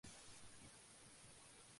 Hijo del Lcdo.